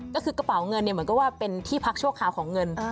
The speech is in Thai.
ก็คือกระเป๋าเงินเนี่ยเหมือนกับว่าเป็นที่พักชั่วคราวของเงิน